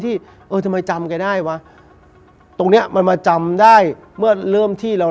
เออทำไมจำแกได้วะตรงเนี้ยมันมาจำได้เมื่อเริ่มที่เรา